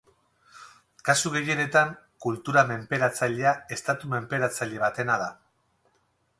Kasu gehienetan kultura menperatzailea estatu menperatzaile batena da.